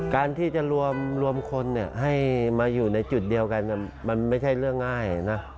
การที่จะรวมคนให้มาอยู่ในจุดเดียวกันมันไม่ใช่เรื่องง่ายนะ